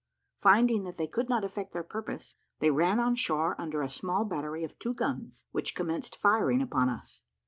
Finding that they could not effect their purpose, they ran on shore under a small battery of two guns, which commenced firing upon us.